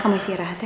kamu isi rehat ya